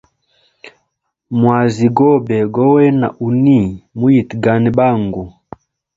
Mwazi gobe gowena uni, muyitgane bangu.